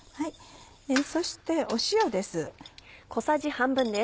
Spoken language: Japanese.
そして塩です。